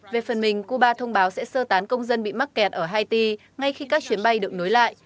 về phần mình cuba thông báo sẽ sơ tán công dân bị mắc kẹt ở haiti ngay khi các chuyến bay được nối lại